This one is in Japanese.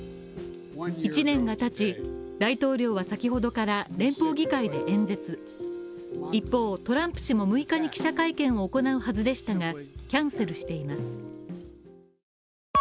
１年が経ち、大統領は先ほどから連邦議会で演説一方トランプ氏も６日に記者会見を行うはずでしたが、キャンセルしています。